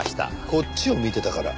こっちを見てたから？